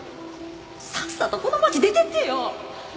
さっさとこの町出てってよ